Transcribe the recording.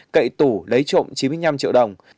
cậy tủ lấy trộm chín mươi năm triệu đồng